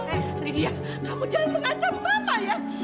eh rydia kamu jangan mengacam mama ya